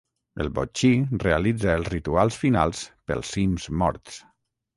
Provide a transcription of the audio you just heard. El Botxí realitza els rituals finals pels Sims morts.